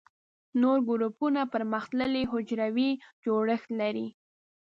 نور ګروپونه پرمختللي حجروي جوړښت لري.